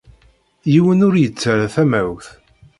Yiwen ur yettarra tamawt.